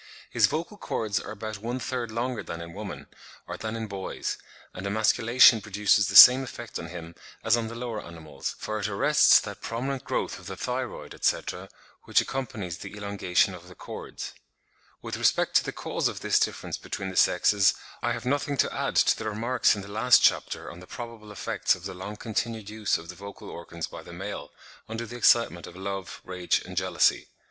His vocal cords are about one third longer than in woman, or than in boys; and emasculation produces the same effect on him as on the lower animals, for it "arrests that prominent growth of the thyroid, etc., which accompanies the elongation of the cords." (27. Owen, 'Anatomy of Vertebrates,' vol. iii. p. 603.) With respect to the cause of this difference between the sexes, I have nothing to add to the remarks in the last chapter on the probable effects of the long continued use of the vocal organs by the male under the excitement of love, rage and jealousy.